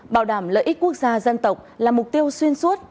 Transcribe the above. bảo đảm lợi ích quốc gia dân tộc là mục tiêu xuyên suốt